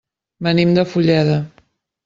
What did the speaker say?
Venim de Fulleda.